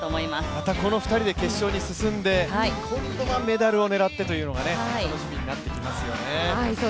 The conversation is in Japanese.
またこの２人で決勝に進んで今度はメダルを狙ってというのが楽しみになってきますよね